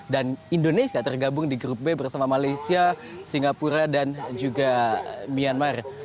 dan indonesia tergabung di grup b bersama malaysia singapura dan juga myanmar